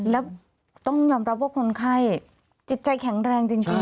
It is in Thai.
แล้วต้องยอมรับว่าคนไข้จิตใจแข็งแรงจริง